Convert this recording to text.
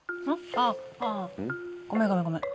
あああごめんごめんごめん。